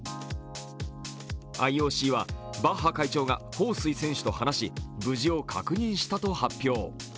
ＩＯＣは、バッハ会長が彭帥選手と話し無事を確認したと発表。